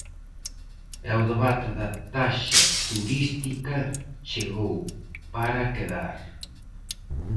E o debate da taxa turística chegou para quedar.